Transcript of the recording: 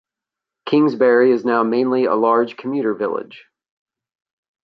Kingsbury is now mainly a large commuter village.